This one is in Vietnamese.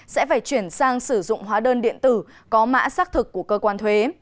sẽ phải chuyển sang sử dụng hóa đơn điện tử có mã xác thực của cơ quan thuế